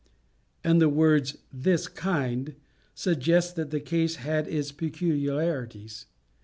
But the words "This kind" suggest that the case had its peculiarities.